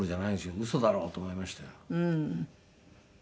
ウソだろ？と思いましたよ。